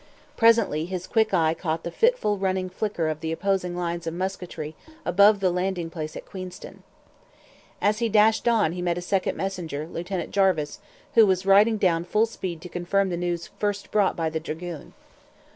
Presently his quick eye caught the fitful running flicker of the opposing lines of musketry above the landing place at Queenston. As he dashed on he met a second messenger, Lieutenant Jarvis, who was riding down full speed to confirm the news first brought by the dragoon.